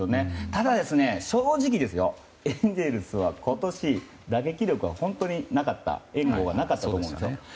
ただ正直、エンゼルスは今年、打撃力は本当になかった援護がなかったかもしれません。